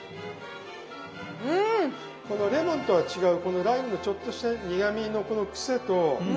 レモンとは違うこのライムのちょっとした苦みのこのクセと。